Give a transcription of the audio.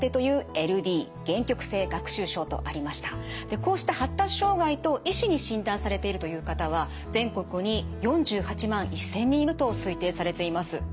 こうした発達障害と医師に診断されているという方は全国に４８万１，０００人いると推定されています。